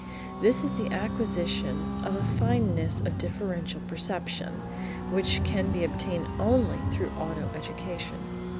This is the acquisition of a fineness of differential perception, which can be obtained only through auto education.